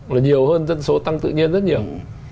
là nhiều hơn dân số tăng tự nhiên rất nhiều